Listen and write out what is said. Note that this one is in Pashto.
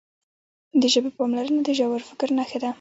د ژبې پاملرنه د ژور فکر نښه ده.